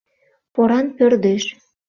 Поран пӧрдеш.